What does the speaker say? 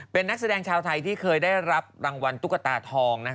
เป็นนักแสดงชาวไทยที่เคยได้รับรางวัลตุ๊กตาทอง